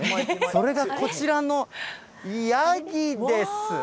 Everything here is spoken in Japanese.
それがこちらのヤギです。